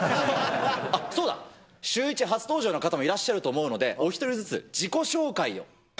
あっ、そうだ、シューイチ初登場の方もいらっしゃると思うので、お１人ずつ、自己紹介を。